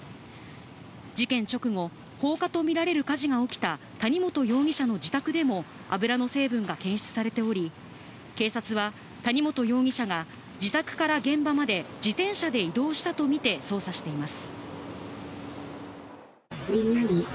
事件直後、放火とみられる火事が起きた谷本容疑者の自宅でも油の成分が検出されており、警察は谷本容疑者が自宅から現場まで自転車で移動したとみて捜査しています。